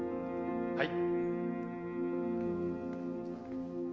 はい。